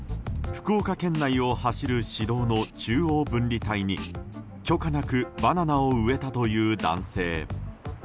福岡県内を走る市道の中央分離帯に許可なくバナナを植えたという男性。